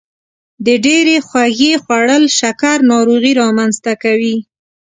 د ډیرې خوږې خوړل شکر ناروغي رامنځته کوي.